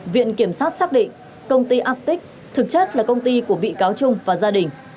viện kiểm sát xác định công ty atic thực chất là công ty của bị cáo trung và gia đình